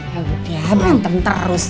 ya udah bantem terus